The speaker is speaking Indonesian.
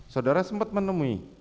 saudara sempat menemui